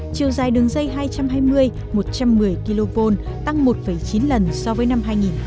chiều dài đường dây hai trăm hai mươi một trăm một mươi kv tăng một chín lần so với năm hai nghìn một mươi